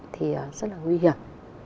thì rất là nguy hiểm